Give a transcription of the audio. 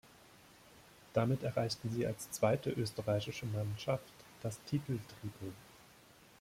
Damit erreichten sie als zweite österreichische Mannschaft das "Titel-Tripel".